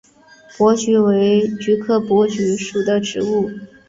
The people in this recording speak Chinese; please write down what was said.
珀菊为菊科珀菊属的植物。